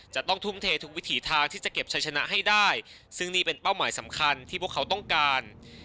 จะต้องทุ่มเททุกวิถีทางที่จะเก็บชัยชนะให้ได้ซึ่งนี่เป็นเป้าหมายสำคัญที่พวกเขาต้องการ